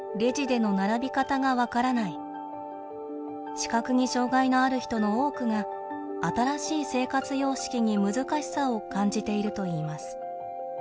視覚に障害のある人の多くが新しい生活様式に難しさを感じているといいます。